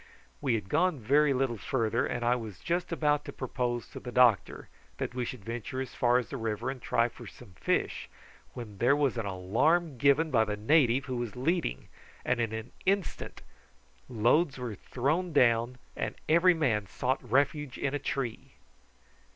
We had gone very little farther, and I was just about to propose to the doctor that we should venture as far as the river and try for some fish, when there was an alarm given by the native who was leading, and in an instant loads were thrown down and every man sought refuge in a tree.